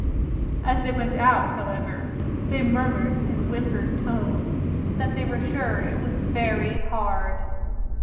As they went out, however, they murmured, in whimpered tones, that they were sure it was very hard!